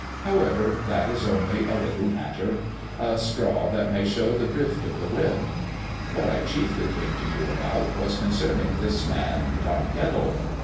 However, that is only a little matter a straw that may show the drift of the wind. What I chiefly came to you about was concerning this man Tom Kettle.